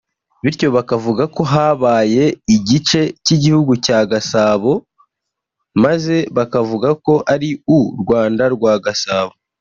bityo bakavuga ko habaye igice cy’igihugu cyabo cya Gasabo maze bakavuga ko ari u Rwanda rwa Gasabo